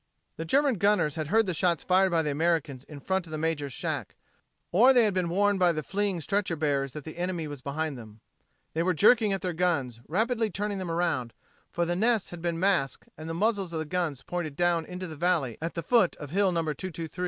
The German gunners had heard the shots fired by the Americans in front of the major's shack, or they had been warned by the fleeing stretcher bearers that the enemy was behind them. They were jerking at their guns, rapidly turning them around, for the nests had been masked and the muzzles of the guns pointed down into the valley at the foot of Hill No.